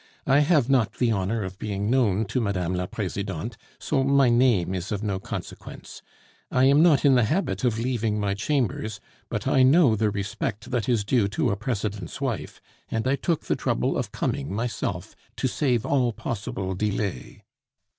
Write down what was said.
I have not the honor of being known to Mme. la Presidente, so my name is of no consequence. I am not in the habit of leaving my chambers, but I know the respect that is due to a President's wife, and I took the trouble of coming myself to save all possible delay."